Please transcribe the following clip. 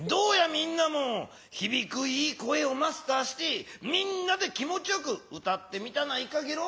みんなも「ひびくいい声」をマスターしてみんなで気持ちよく歌ってみたないかゲロ？